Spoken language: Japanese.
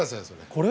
これ？